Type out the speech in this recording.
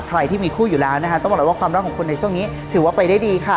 ใครที่มีคู่อยู่แล้วนะคะต้องบอกเลยว่าความรักของคุณในช่วงนี้ถือว่าไปได้ดีค่ะ